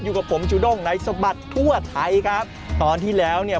อยู่กับผมจูด้งในสบัดทั่วไทยครับตอนที่แล้วเนี่ย